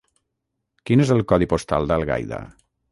Quin és el codi postal d'Algaida?